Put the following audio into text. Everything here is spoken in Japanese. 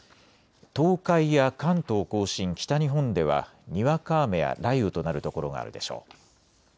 東海や関東甲信、北日本ではにわか雨や雷雨となる所があるでしょう。